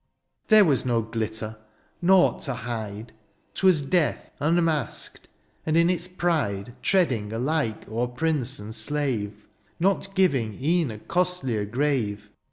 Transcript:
There was no glitter, naught to hide ; 'Twas death unmasked, and in its pride : Treading alike o'er prince and slave ; Not giving e'en a costlier grave.